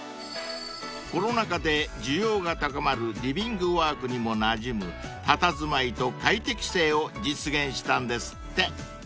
［コロナ禍で需要が高まるリビングワークにもなじむたたずまいと快適性を実現したんですって］